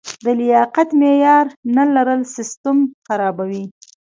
د لیاقت معیار نه لرل سیستم خرابوي.